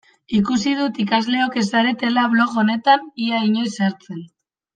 Ikusi dut ikasleok ez zaretela blog honetan ia inoiz sartzen.